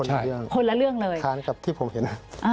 ใช่ค้านี้ครับที่ผมเห็น